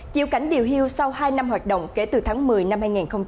chịu cảnh điều hiu sau hai năm hoạt động kể từ tháng một mươi năm hai nghìn hai mươi